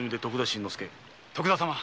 徳田様